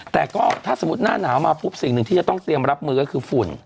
แต่ก็ถ้าสมมุติหน้าหนาวมาปุ๊บสิ่งหนึ่งที่จะต้องเตรียมรับมือก็คือฝุ่น